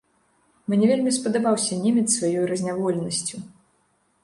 Мне вельмі спадабаўся немец сваёй разняволенасцю.